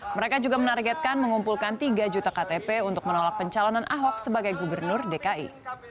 mereka juga menargetkan mengumpulkan tiga juta ktp untuk menolak pencalonan ahok sebagai gubernur dki